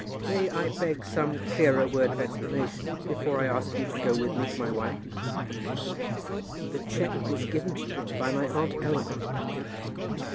May I beg some clearer word of explanation before I ask you to go with me to my wife?" "The cheque was given to you by my aunt Eleanor."